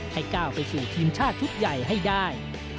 ให้ก้าวไปสู่ทีมชาติชุดใหญ่ให้ได้